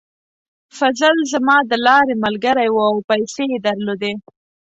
فضل زما د لارې ملګری و او پیسې یې درلودې.